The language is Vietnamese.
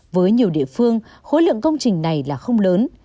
với nhiều địa phương khối lượng công trình này là không lớn